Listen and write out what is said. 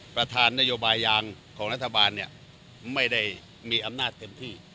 ประธานนโยบายยางของรัฐบาลเนี่ยไม่ได้มีอำนาจเต็มที่